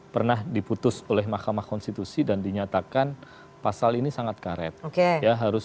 pernah diputus oleh mahkamah konstitusi dan dinyatakan pasal ini sangat karet oke ya harus